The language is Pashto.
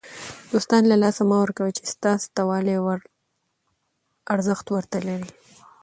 دوستان له لاسه مه ورکوئ! چي ستا سته والى ارزښت ور ته لري.